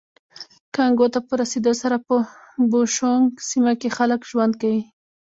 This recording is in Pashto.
کانګو ته په رسېدو سره په بوشونګ سیمه کې خلک ژوند کوي